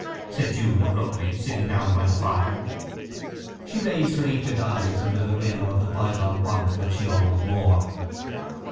said Jude abruptly, sitting down by the fire. She raised her ancient eyes under the rim of the by gone bonnet that she always wore.